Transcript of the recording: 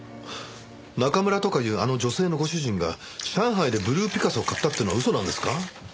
中村とかいうあの女性のご主人が上海でブルーピカソを買ったっていうのは嘘なんですか？